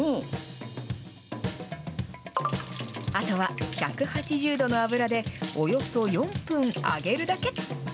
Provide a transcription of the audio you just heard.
あとは１８０度の油で、およそ４分揚げるだけ。